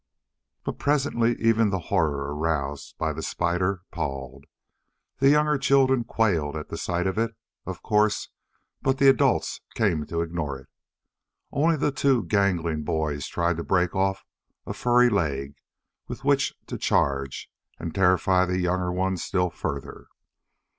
But presently even the horror aroused by the spider palled. The younger children quailed at sight of it, of course; but the adults came to ignore it. Only the two gangling boys tried to break off a furry leg with which to charge and terrify the younger ones still further.